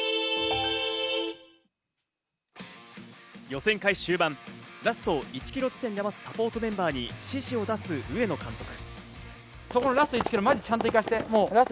予選会終盤、ラスト１キロ地点で待つサポートメンバーに指示を出す上野監督。